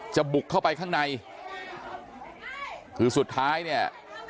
บุกเข้าไปข้างในคือสุดท้ายเนี่ย